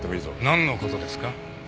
なんの事ですか？